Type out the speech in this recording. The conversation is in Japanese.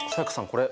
これ。